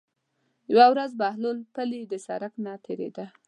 یوه ورځ بهلول پلي د سړک نه تېرېده.